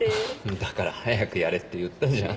だから早くやれって言ったじゃん。